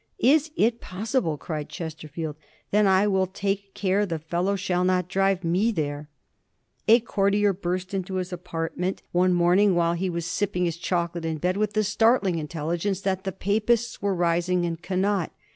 * Is it possible ?' cried Chesterfield :* then I will take care the fellow shall not drive me there.' A 1745 1746. CHESTERFIELDS RECALL. 251 courtier burst into his apartment one morning, while he was sipping his chocolate in bed, with the startling in telligence that the Papists were rising in Connaught.